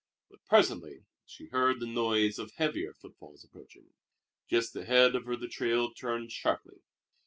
But presently she heard the noise of heavier footfalls approaching. Just ahead of her the trail turned sharply.